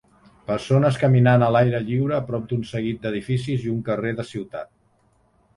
Persones caminant a l'aire lliure a prop d'un seguit d'edificis i un carrer de ciutat.